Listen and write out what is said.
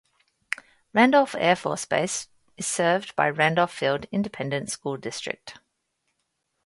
Randolph Air Force Base is served by Randolph Field Independent School District.